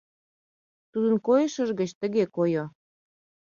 Тудын койышыж гыч тыге койо.